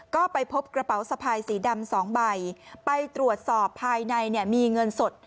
ก็ไปพบกระเป๋าสะพายสีดำสองใบไปตรวจสอบภายในเนี่ยมีเงินสด